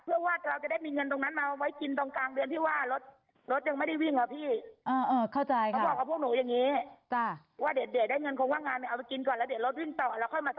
เออเขาบอกว่าเพื่อว่าเราจะได้มีเงินตรงนั้นไว้กินตรงกลางเวียนที่ว่ารถ